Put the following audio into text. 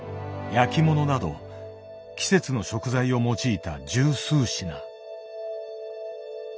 焼き物など季節の食材を用いた十数品。